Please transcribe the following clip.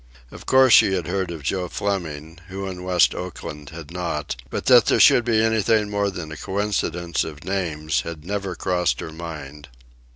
Of course she had heard of Joe Fleming who in West Oakland had not? but that there should be anything more than a coincidence of names had never crossed her mind.